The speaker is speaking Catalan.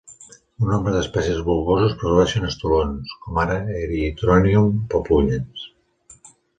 Un nombre d'espècies bulboses produeixen estolons, com ara "erythronium propullans".